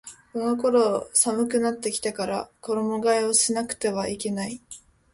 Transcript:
この頃寒くなってきたから衣替えをしなくてはいけない